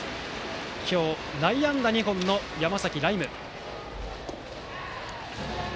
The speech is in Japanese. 今日、内野安打２本の山崎徠夢。